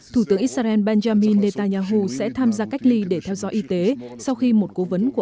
thủ tướng israel benjamin netanyahu sẽ tham gia cách ly để theo dõi y tế sau khi một cố vấn của